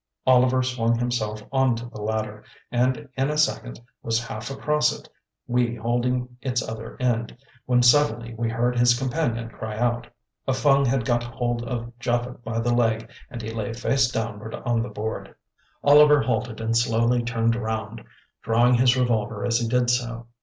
Oliver swung himself on to the ladder, and in a second was half across it, we holding its other end, when suddenly he heard his companion cry out. A Fung had got hold of Japhet by the leg and he lay face downward on the board. Oliver halted and slowly turned round, drawing his revolver as he did so.